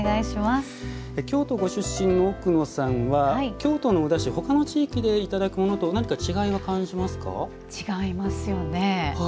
京都ご出身の奥野さんは京都のおだし他の地域でいただくものと違いますよね。